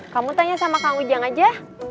kamu tanya sama kang ujang aja